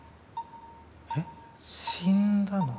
えっ死んだの？